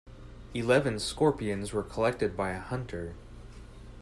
Eleven scorpions were collected by a hunter.